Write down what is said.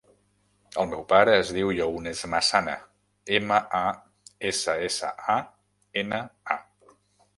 El meu pare es diu Younes Massana: ema, a, essa, essa, a, ena, a.